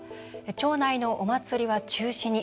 町内のお祭りは中止に。